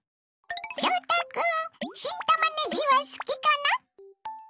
翔太君新たまねぎは好きかな？